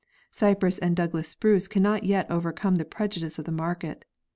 Cypress and Douglas spruce cannot yet overcome the prejudice of the market.